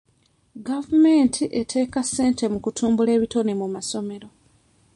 Gavumenti eteeka ssente mu kutumbula ebitone mu masomero.